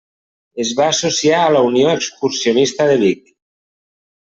Es va associar a la Unió Excursionista de Vic.